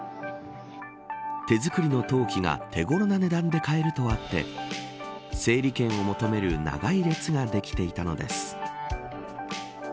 手作りの陶器が手頃な値段で買えるとあって整理券を求める長い列ができていたのです。